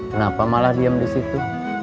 kenapa malah diam di situ